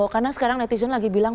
karena sekarang netizen lagi bilang